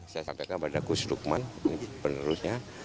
saya sampaikan kepada gus dukman penerusnya